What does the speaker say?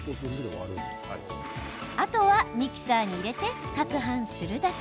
あとはミキサーに入れてかくはんするだけ。